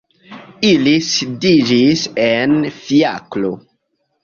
Ili sidiĝis en fiakro.